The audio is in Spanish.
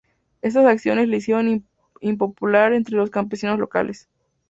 Estas acciones le hicieron impopular entre los campesinos locales.